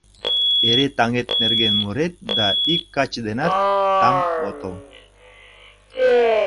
— Эре таҥет нерген мурет да ик каче денат таҥ отыл!..